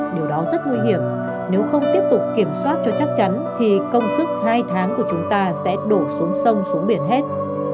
điều đó rất nguy hiểm nếu không tiếp tục kiểm soát cho chắc chắn thì công sức hai tháng của chúng ta sẽ đổ xuống sông xuống biển hết